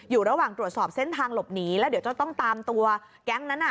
อยู่ระหว่างตรวจสอบเส้นทางหลบหนีแล้วเดี๋ยวจะต้องตามตัวแก๊งนั้นอ่ะ